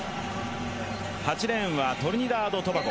８レーンはトリニダード・トバゴ。